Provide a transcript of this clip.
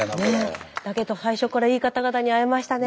最初からいい方々に会えましたね。